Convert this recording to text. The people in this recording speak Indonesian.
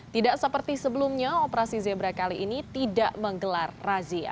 tidak seperti sebelumnya operasi zebra kali ini tidak menggelar razia